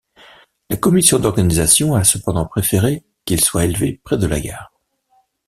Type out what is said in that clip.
La commission d'organisation a cependant préféré qu'il soit élevé près de la gare.